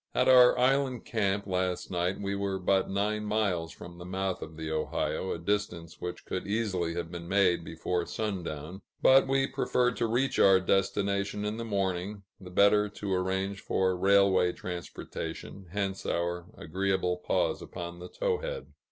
At our island camp, last night, we were but nine miles from the mouth of the Ohio, a distance which could easily have been made before sundown; but we preferred to reach our destination in the morning, the better to arrange for railway transportation, hence our agreeable pause upon the Towhead.